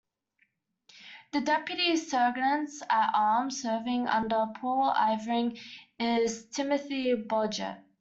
The Deputy Sergeants at Arms serving under Paul Irving is Timothy Blodgett.